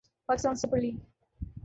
Pakistan super league